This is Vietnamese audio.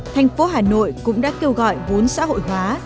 thành phố hà nội cũng đã kêu gọi vốn xã hội hóa